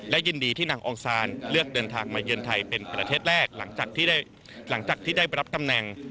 และยินดีที่นางองซานเลือกเดินทางมาเยือนไทยเป็นประเทศแรกหลังจากที่ได้รับตำแหน่ง